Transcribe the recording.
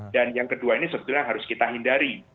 dan yang kedua ini sebetulnya harus kita hindari